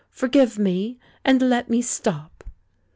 Forgive me, and let me stop!'